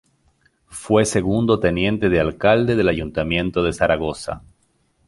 Fue Segundo Teniente de Alcalde del Ayuntamiento de Zaragoza.